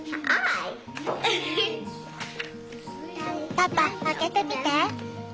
パパ開けてみて。